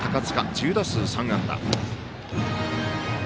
１０打数３安打。